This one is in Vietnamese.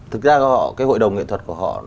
thực ra cái hội đồng nghệ thuật của họ